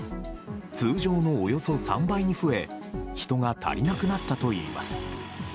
通常のおよそ３倍に増え、人が足りなくなったといいます。